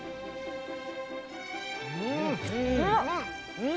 うん！